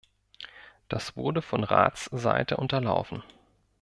Das wurde von Ratsseite unterlaufen.